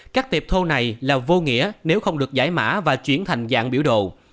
các tiệp thô này là vô nghĩa nếu không được giải mã và chuyển thành dạng biểu đồ